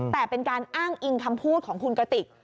แต่เป็นการอ้างอิงคำพูดของคุณกระติก